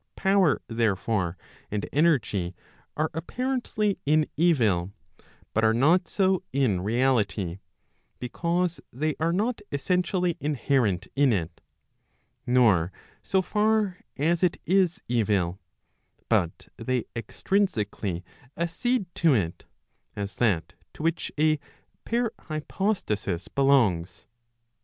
Power, therefore, and energy are apparently in evil, [but are not so in reality] because they are not essentially inherent in it, nor so far as it is evil, but they extrinsically accede to it, as that to which a parhypostasis belongs.